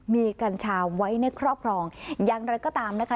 มีกัญชาไว้ในครอบครองอย่างไรก็ตามนะคะ